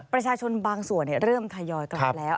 ประชาชนบางส่วนเริ่มทยอยกลับแล้ว